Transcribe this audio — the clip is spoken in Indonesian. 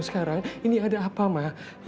sekarang ini ada apa mah